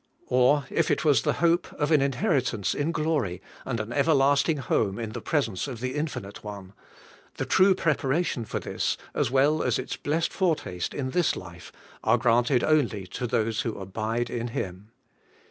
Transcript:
Or if it was the hope of an inheritance in glory, and an everlasting home in the presence of the Infinite One: the true preparation for this, as well as its blessed foretaste in this life, are granted only to those who abide in Him.